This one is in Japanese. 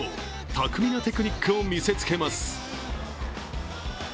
巧みなテクニックを見せつけます。